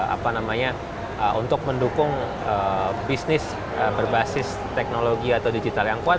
apa namanya untuk mendukung bisnis berbasis teknologi atau digital yang kuat